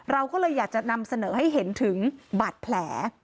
เราก็เลยอยากจะนำเสนอให้เห็นถึงบาดแผล